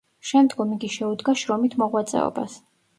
შემდგომ იგი შეუდგა შრომით მოღვაწეობას.